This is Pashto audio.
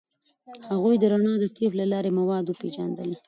هغوی د رڼا د طیف له لارې مواد وپیژندل.